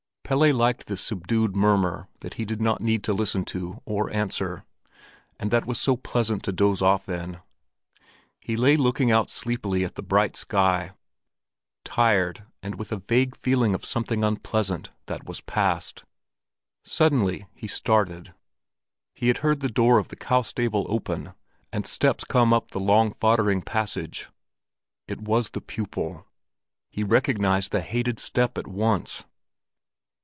Pelle liked this subdued murmur that he did not need to listen to or answer, and that was so pleasant to doze off in. He lay looking out sleepily at the bright sky, tired and with a vague feeling of something unpleasant that was past. Suddenly he started. He had heard the door of the cow stable open, and steps upon the long foddering passage. It was the pupil. He recognized the hated step at once.